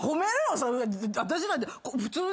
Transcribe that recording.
私らだって普通に。